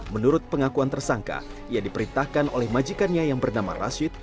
menurut pengakuan tersangka ia diperintahkan oleh majikannya yang bernama rashid